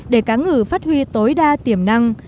để cá ngừ phát huy tối đa tiềm năng